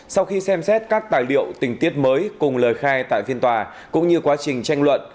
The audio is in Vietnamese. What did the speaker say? sau khi xem xét các tài liệu tình tiết mới cùng lời khai tại phiên tòa cũng như quá trình tranh luận